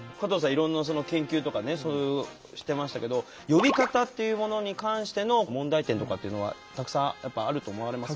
いろんな研究とかねそういうしてましたけど呼び方っていうものに関しての問題点とかっていうのはたくさんやっぱあると思われます？